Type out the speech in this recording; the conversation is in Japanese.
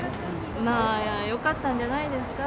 まあ、よかったんじゃないですか？